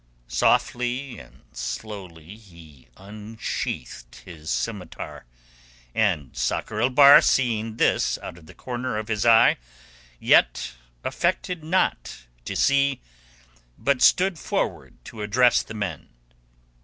Softly and slowly he unsheathed his scimitar, and Sakr el Bahr seeing this out of the corner of his eye, yet affected not to see, but stood forward to address the men.